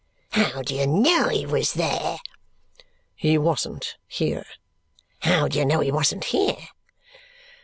"How do you know he was there?" "He wasn't here." "How do you know he wasn't here?"